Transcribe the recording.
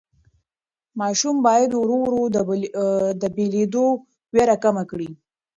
ماشوم باید ورو ورو د بېلېدو وېره کمه کړي.